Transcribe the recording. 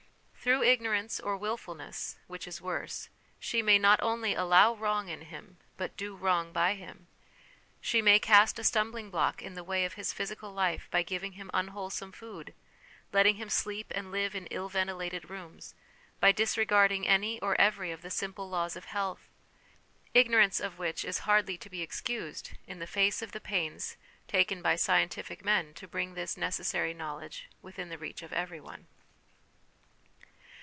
Through ignorance, or wilfulness, which is worse, she may not only allow wrong in him, but do wrong by him. She may cast a stumbling block in the way of his physical life by giving him unwholesome food, letting him sleep and live in ill ventilated rooms, by disregarding any or every of the simple laws of health, ignorance of which is hardly to be excused in the face of the pains taken by scientific men to bring this necessary knowledge within the reach of every one.